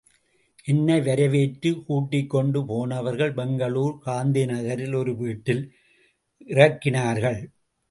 என்னை வரவேற்று கூட்டிக்கொண்டு போனவர்கள் பெங்களூர் காந்தி நகரில் ஒரு வீட்டில் இறக்கினார்கள்.